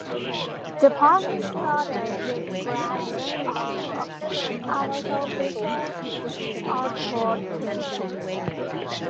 The park is studded with granite outcrops and also features the Ashford Caves.